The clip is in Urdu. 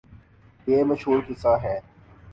یہ مشہورقصہ ہے۔